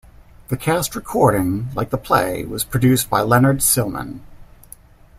The cast recording, like the play, was produced by Leonard Sillman.